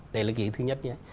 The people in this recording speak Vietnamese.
đấy là cái thứ nhất nhé